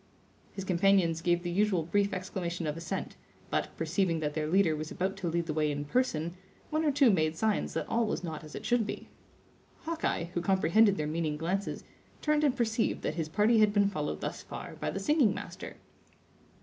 His companions gave the usual brief exclamation of assent, but, perceiving that their leader was about to lead the way in person, one or two made signs that all was not as it should be. Hawkeye, who comprehended their meaning glances, turned and perceived that his party had been followed thus far by the singing master.